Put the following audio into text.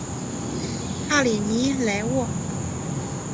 帕里尼莱沃。